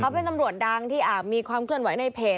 เขาเป็นตำรวจดังที่มีความเคลื่อนไหวในเพจ